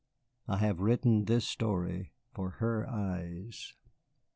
I have written this story for her eyes.